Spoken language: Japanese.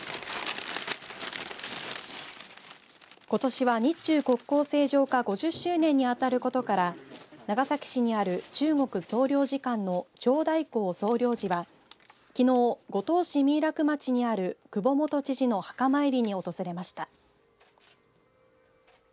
ことしは日中国交正常化５０周年にあたることから長崎市にある中国総領事館の張大興総領事はきのう、五島市三井楽町にある久保元知事の墓参りに訪れました。